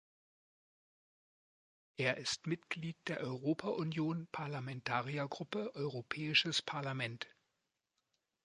Er ist Mitglied der Europa-Union Parlamentariergruppe Europäisches Parlament.